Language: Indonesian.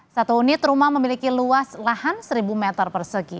satu unit rumah memiliki luas lahan seribu meter persegi